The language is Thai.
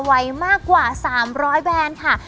ไว้มากกว่า๓๐๐แบรนด์ค่ะ